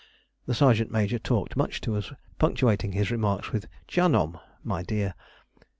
The sergeant major talked much to us, punctuating his remarks with "Jánom" (My dear).